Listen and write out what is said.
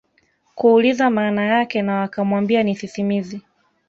kuuliza maana yake na wakamwambia ni sisimizi